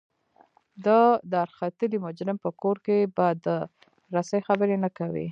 د دارختلي مجرم په کور کې به د رسۍ خبرې نه کوئ.